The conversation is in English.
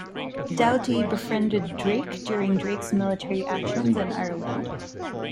Doughty befriended Drake during Drake's military actions in Ireland.